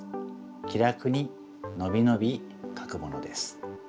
気楽にのびのびかくものです。